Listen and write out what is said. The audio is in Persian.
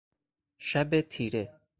شب تیره